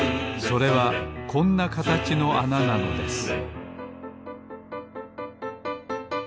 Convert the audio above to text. それはこんなかたちのあななのです